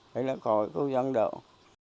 thế là gọi là khâu giang đậu